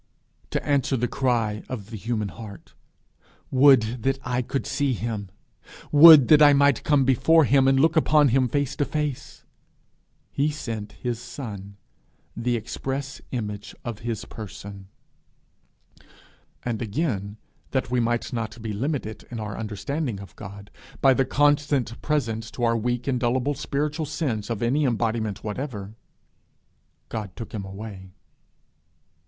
To answer the cry of the human heart, 'Would that I could see him! would that I might come before him, and look upon him face to face!' he sent his son, the express image of his person. And again, that we might not be limited in our understanding of God by the constant presence to our weak and dullable spiritual sense of any embodiment whatever, he took him away.